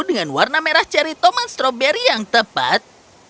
dengan warna merah ceri toman stroberi yang tepat